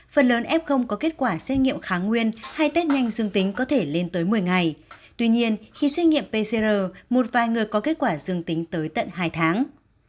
phần lớn f có kết quả xét nghiệm kháng nguyên hay test nhanh dương tính có thể lên tới một mươi ngày tuy nhiên khi xét nghiệm pcr một vài người có kết quả dương tính tới tận hai tháng